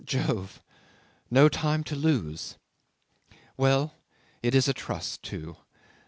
Jove! No time to lose. Well, it is a trust too